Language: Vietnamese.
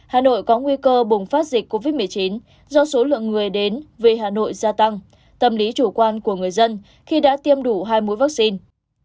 hà nội có nguy cơ bùng phát dịch covid một mươi chín do số lượng người đến về hà nội gia tăng tâm lý chủ quan của người dân khi đã tiêm đủ hai mũi vaccine